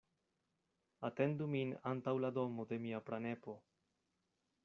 Atendu min antaŭ la domo de mia pranepo.